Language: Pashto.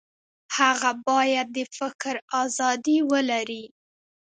هغه باید د فکر ازادي ولري.